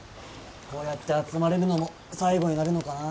こうやって集まれるのも最後になるのかな。